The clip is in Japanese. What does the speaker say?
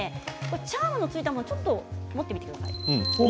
チャームが付いたものをちょっと持ってみてください。